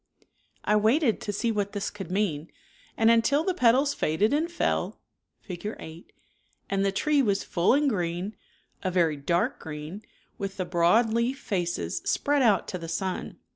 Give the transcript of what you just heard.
I waited to see what this could mean, and until ,..M„..i the petals faded and fell (Fig. 8) and the tree was full and green, a very dark green, with the broad leaf faces spread out to the sun.